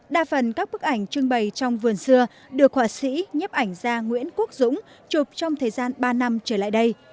đa phần các bức ảnh trưng bày trong vườn xưa được họa sĩ nhiếp ảnh gia nguyễn quốc dũng chụp trong thời gian ba năm trở lại đây